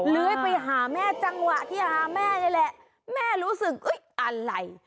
เลื้อยไปหาแม่จังหวะที่หาแม่นี่แหละแม่รู้สึกอะไร